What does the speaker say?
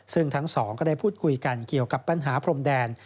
ซึ่งทั้งสองก็ได้พูดคุยกันเกี่ยวกับปัญหาพรมแดน